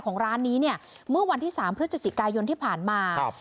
ของร้านนี้เนี่ยเมื่อวันที่สามเพื่อจะจิตกายนที่ผ่านมาครับ